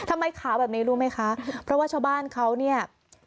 ขาวแบบนี้รู้ไหมคะเพราะว่าชาวบ้านเขาเนี่ย